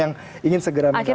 yang ingin segera mencapai palu